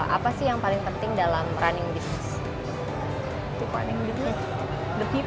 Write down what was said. apa sih yang paling penting dalam running business